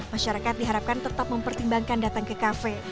masyarakat diharapkan tetap mempertimbangkan datang ke kafe